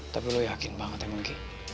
tapi lo yakin banget ya mungkin